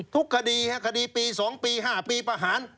ทุกคดีคดีปี๒ปี๕ปีประหาร